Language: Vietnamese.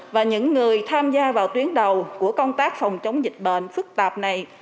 và những người tham gia vào tuyến đầu của công tác phòng chống dịch bệnh phức tạp này